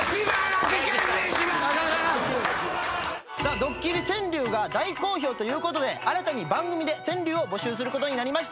ドッキリ川柳が大好評ということで新たに番組で川柳を募集することになりました。